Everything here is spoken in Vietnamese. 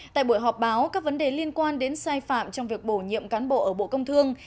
tại buổi họp báo các vấn đề liên quan đến sai phạm trong việc bổ nhiệm cán bộ ở bộ công thương